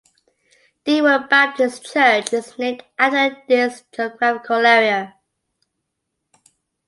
Deenwood Baptist Church is named after this geographical area.